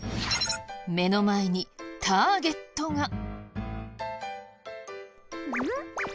目の前にターゲットが。